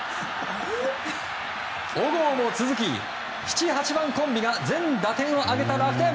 小郷も続き７、８番コンビが全打点を挙げた楽天。